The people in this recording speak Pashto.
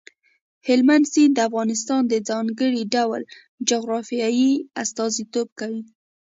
هلمند سیند د افغانستان د ځانګړي ډول جغرافیې استازیتوب کوي.